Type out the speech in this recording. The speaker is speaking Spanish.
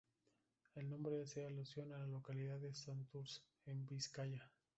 El nombre hace alusión a la localidad de Santurce, en Vizcaya.